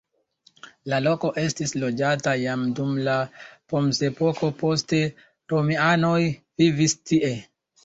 La loko estis loĝata jam dum la bronzepoko, poste romianoj vivis tie.